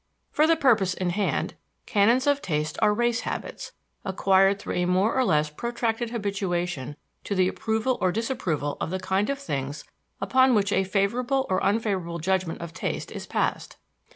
For the purpose in hand, canons of taste are race habits, acquired through a more or less protracted habituation to the approval or disapproval of the kind of things upon which a favorable or unfavorable judgment of taste is passed.